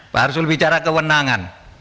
pak arsul bicara kewenangan